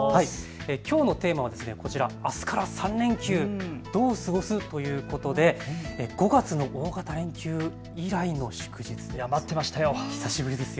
きょうのテーマはこちら、あすから３連休どう過ごす？ということで５月の大型連休以来の祝日、待っていましたよ。